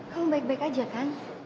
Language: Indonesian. kamu baik baik aja kan